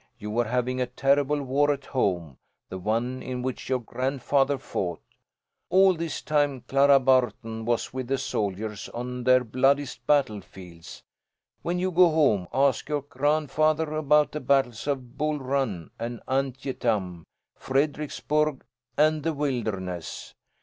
You were having a terrible war at home; the one in which your grandfather fought. All this time Clara Barton was with the soldiers on their bloodiest battle fields. When you go home, ask your grandfather about the battles of Bull Run and Antietam, Fredericksburg and the Wilderness.